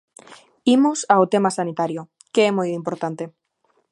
Imos ao tema sanitario, que é moi importante.